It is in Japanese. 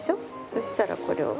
そしたらこれを。